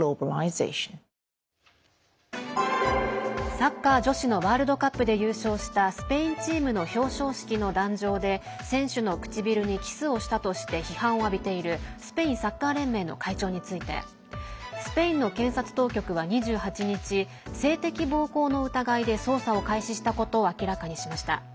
サッカー女子のワールドカップで優勝したスペインチームの表彰式の壇上で選手の唇にキスをしたとして批判を浴びているスペインサッカー連盟の会長についてスペインの検察当局は２８日性的暴行の疑いで捜査を開始したことを明らかにしました。